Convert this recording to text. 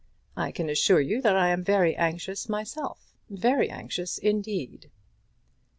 I can assure you that I am very anxious myself, very anxious indeed."